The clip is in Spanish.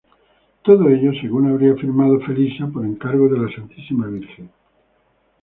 Todo ello, según habría afirmado Felisa, por encargo de la Santísima Virgen.